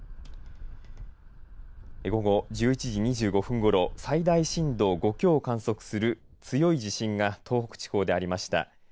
午後１１時２５分ごろ最大震度５強を観測する強い地震が東北地方でありました。